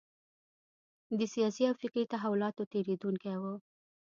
د سیاسي او فکري تحولاتو تېرېدونکی و.